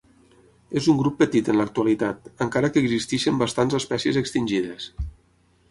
És un grup petit en l'actualitat, encara que existeixen bastants espècies extingides.